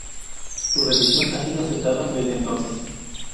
Su revisión ha sido aceptada desde entonces.